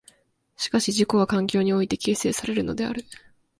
しかし自己は環境において形成されるのである。